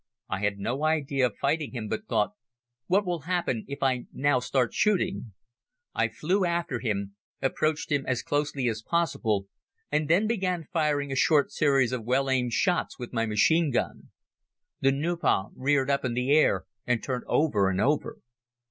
I had no idea of fighting him but thought: "What will happen if I now start shooting?" I flew after him, approached him as closely as possible and then began firing a short series of well aimed shots with my machine gun. The Nieuport reared up in the air and turned over and over.